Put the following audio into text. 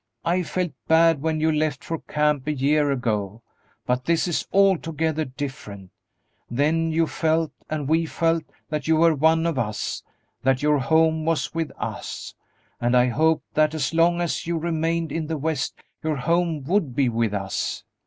I felt bad when you left for camp a year ago, but this is altogether different; then you felt, and we felt, that you were one of us, that your home was with us, and I hoped that as long as you remained in the West your home would be with us.